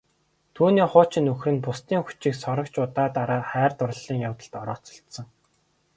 Түүний хуучин нөхөр нь бусдын хүчийг сорогч удаа дараа хайр дурлалын явдалд орооцолдсон.